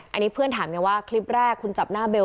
อันนี้เพื่อนถามไงว่าคลิปแรกคุณจับหน้าเบล